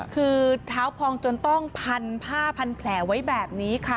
คือเท้าพองจนต้องพันผ้าพันแผลไว้แบบนี้ค่ะ